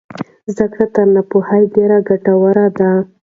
زده کړې تر ناپوهۍ ډېرې ګټورې دي.